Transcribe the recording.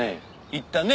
言ったね？